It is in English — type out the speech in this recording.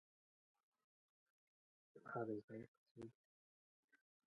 Two years later, he was admitted to the Tennessee Bar.